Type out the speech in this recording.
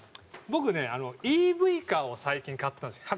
僕ねＥＶカーを最近買ったんですよ。